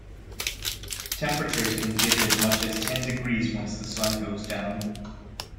Temperatures can dip as much as ten degrees once the sun goes down.